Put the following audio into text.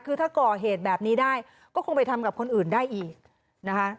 คือถ้าก่อเหตุแบบนี้ได้ก็คงไปทำกับคนอื่นได้อีกนะคะ